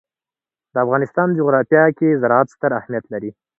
د افغانستان جغرافیه کې زراعت ستر اهمیت لري.